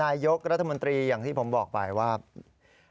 นายยกรัฐมนตรีพบกับทัพนักกีฬาที่กลับมาจากโอลิมปิก๒๐๑๖